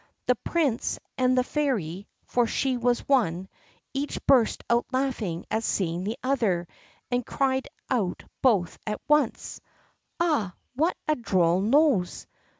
The Prince and the Fairy (for she was one) each burst out laughing at seeing the other, and cried out both at once, "Ah, what a droll nose!"